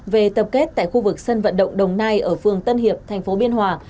về tập kết tại khu vực sân vận động đồng nai ở phường tân hiệp thành phố biên hòa